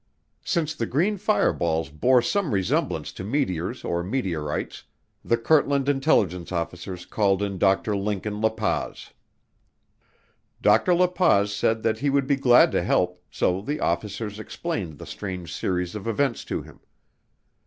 Since the green fireballs bore some resemblance to meteors or meteorites, the Kirtland intelligence officers called in Dr. Lincoln La Paz. Dr. La Paz said that he would be glad to help, so the officers explained the strange series of events to him.